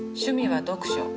趣味は読書。